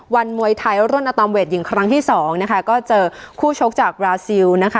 มวยไทยรุ่นอตอมเวทหญิงครั้งที่สองนะคะก็เจอคู่ชกจากบราซิลนะคะ